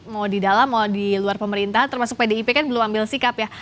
mau di dalam mau di luar pemerintah termasuk pdip kan belum ambil sikap ya